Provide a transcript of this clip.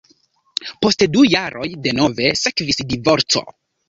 Post du jaroj denove sekvis divorco.